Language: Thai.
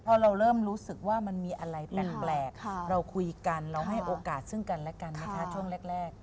พอเราเริ่มรู้สึกว่ามันมีอะไรแปลกเราคุยกันเราให้โอกาสซึ่งกันและกันนะคะช่วงแรก